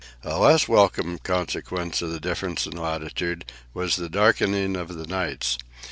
A less welcome consequence of the difference in latitude was the darkening of the nights.